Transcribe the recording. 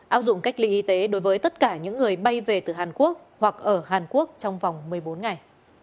áp dụng cách ly y tế đối với tất cả những người bay về từ hàn quốc hoặc ở hàn quốc trong vòng một mươi bốn ngày